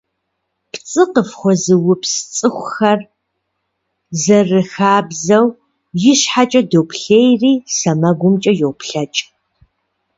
ПцӀы къыфхуэзыупс цӀыхухэр, зэрыхабзэу, ищхьэкӀэ доплъейри, сэмэгумкӀэ йоплъэкӀ.